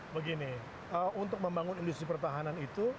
begini untuk membangun industri pertahanan itu